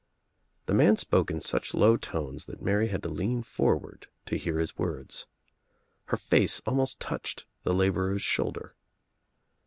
The man spoke in such low tones that Mary had to lean forward to hear his words. Her face almost touched the laborer's shoulder.